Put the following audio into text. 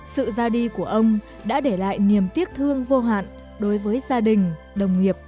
sự ra đi của ông đã để lại niềm tiếc thương vô hạn đối với gia đình đồng nghiệp